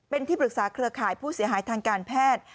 เป็นที่ปรึกษาเครือข่ายผู้เสียหายทางการแพทย์